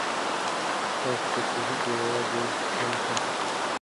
آس په کوهي کې یوازې نه و پاتې.